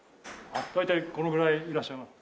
大体このぐらいいらっしゃいます。